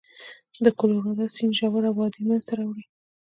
د کلورادو سیند ژوره وادي منځته راوړي.